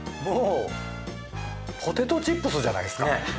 もうポテトチップスじゃないですか。ねぇ。